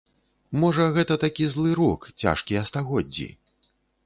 Можа, гэта такі злы рок, цяжкія стагоддзі?